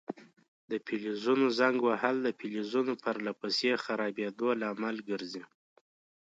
د فلزونو زنګ وهل د فلزونو پر له پسې خرابیدو لامل ګرځي.